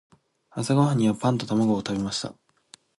朝ごはんにはパンと卵を食べました。